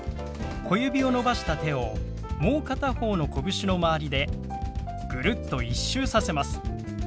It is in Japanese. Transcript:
小指を伸ばした手をもう片方のこぶしの周りでぐるっと１周させます。